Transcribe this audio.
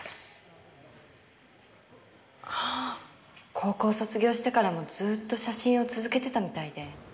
高校を卒業してからもずっと写真を続けてたみたいで。